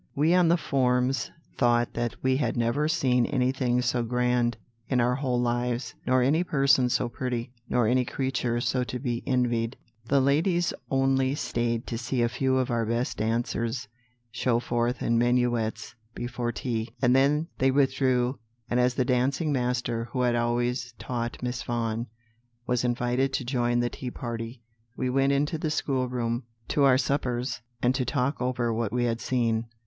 We on the forms thought that we had never seen anything so grand in our whole lives, nor any person so pretty, nor any creature so to be envied. "The ladies only stayed to see a few of our best dancers show forth in minuets before tea, and then they withdrew: and as the dancing master, who had always taught Miss Vaughan, was invited to join the tea party, we went into the schoolroom to our suppers, and to talk over what we had seen.